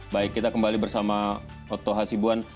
baik kita kembali bersama oto hasibuan